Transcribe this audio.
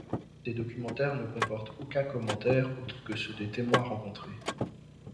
Ces documentaires ne comportent aucun commentaire autre que ceux des témoins rencontrés.